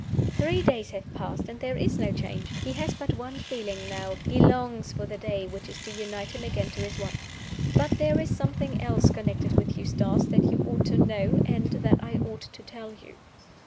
"Three days have passed, and there is no change. He has but one feeling now he longs for the day which is to unite him again to his wife. "But there is something else connected with Eustace that you ought to know, and that I ought to tell you.